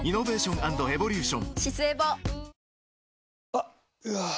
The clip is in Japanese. あっ、うわー。